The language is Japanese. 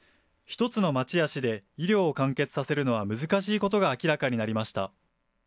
１つの町や市で医療を完結させるのは難しいことが明らかになりました。